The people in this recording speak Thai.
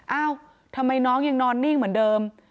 เอ้าทำไมน้องยังนอนนิ่งเหมือนเดิม